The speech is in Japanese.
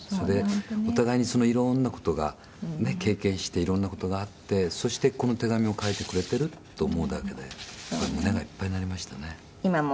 お互いに色んな事が経験して色んな事があってそして、この手紙を書いてくれてると思うだけで胸がいっぱいになりましたね。